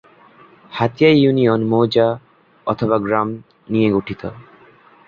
Hatiya union মৌজা/গ্রাম নিয়ে গঠিত।